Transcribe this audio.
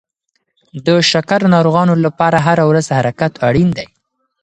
د شکر ناروغانو لپاره هره ورځ حرکت اړین دی.